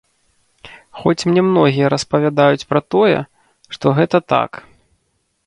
Хоць мне многія распавядаюць пра тое, што гэта так.